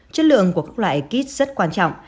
chất lượng của các loại kết rất quan trọng